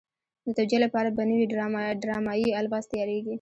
د توجیه لپاره به نوي ډرامایي الفاظ تیارېږي.